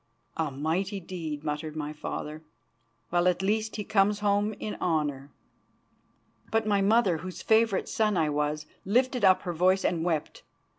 "A mighty deed," muttered my father. "Well, at least he comes home in honour." But my mother, whose favourite son I was, lifted up her voice and wept.